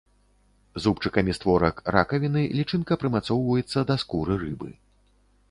Зубчыкамі створак ракавіны лічынка прымацоўваецца да скуры рыбы.